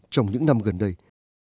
trong những năm gần đây